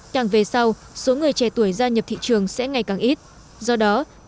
tặng về sau số người trẻ tuổi gia nhập thị trường sẽ ngay cạnh tổng số người nghỉ hưu